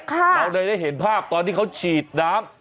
เราเลยได้เห็นภาพตอนที่เขาฉีดน้ำ